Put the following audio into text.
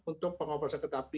untuk pengoperasian kereta api